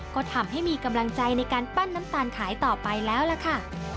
ก็ทำให้มีกำลังใจในการปั้นน้ำตาลขายต่อไปแล้วล่ะค่ะ